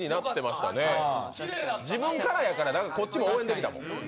自分からやからこっちも応援できたもん。